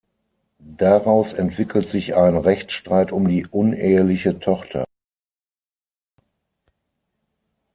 Daraus entwickelt sich ein Rechtsstreit um die uneheliche Tochter.